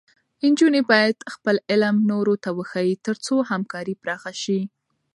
نجونې باید خپل علم نورو ته وښيي، تر څو همکاري پراخه شي.